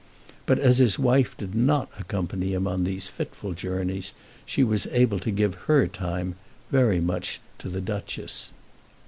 But as his wife did not accompany him on these fitful journeys, she was able to give her time very much to the Duchess.